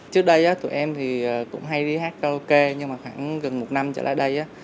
trước đây tụi em thì cũng hay đi hát karaoke nhưng mà khoảng gần một năm trở lại đây